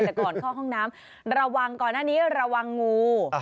แต่ก่อนเข้าห้องน้ำระวังก่อนหน้านี้ระวังงู